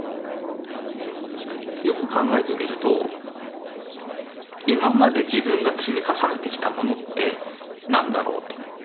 よく考えてみると今まで自分が積み重ねてきたものって何だろうと。